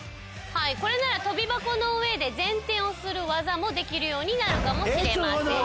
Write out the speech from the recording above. これなら跳び箱の上で前転をする技もできるようになるかもしれません。